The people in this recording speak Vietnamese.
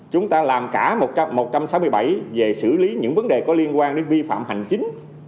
chúng ta làm cả một trăm sáu mươi bảy về xử lý những vấn đề có liên quan đến vi phạm hành chính